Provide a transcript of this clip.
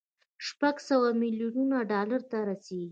شپږ سوه ميليونه ډالر ته رسېږي.